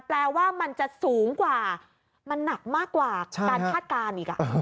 แปลว่ามันจะสูงกว่ามันหนักมากกว่าการคาดการณ์อีก